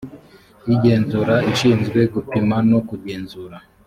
y igenzura ishinzwe gupima no kugenzura